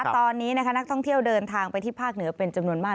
ตอนนี้นักท่องเที่ยวเดินทางไปที่ภาคเหนือเป็นจำนวนมาก